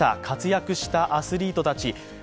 活躍したアスリートたち